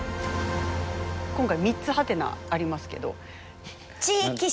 今回３つ「？」ありますけど。